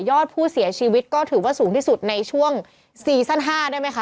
อดผู้เสียชีวิตก็ถือว่าสูงที่สุดในช่วงซีซั่น๕ได้ไหมคะ